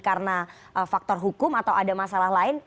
karena faktor hukum atau ada masalah lain